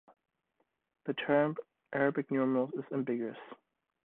The term "Arabic numerals" is ambiguous.